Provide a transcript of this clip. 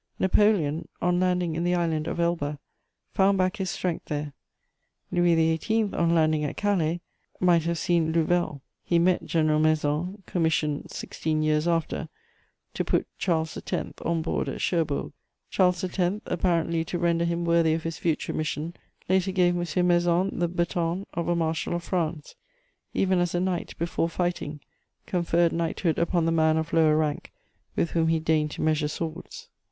Napoleon, on landing in the island of Elba, found back his strength there. Louis XVIII., on landing at Calais, might have seen Louvel; he met General Maison, commissioned, sixteen years after, to put Charles X. on board at Cherbourg. Charles X., apparently to render him worthy of his future mission, later gave M. Maison the baton of a marshal of France, even as a knight, before fighting, conferred knighthood upon the man of lower rank with whom he deigned to measure swords.